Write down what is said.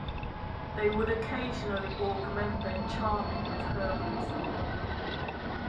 They would occasionally augment their charming with herbalism.